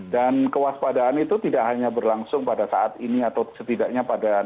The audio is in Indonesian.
dan kewaspadaan itu tidak hanya berlangsung pada saat ini atau setidaknya pada hari ini